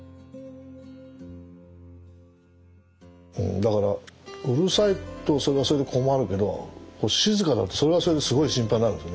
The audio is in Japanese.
だからうるさいとそれはそれで困るけど静かだとそれはそれですごい心配になるんですよね。